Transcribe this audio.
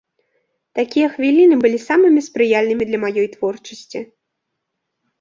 Такія хвіліны былі самымі спрыяльнымі для маёй творчасці.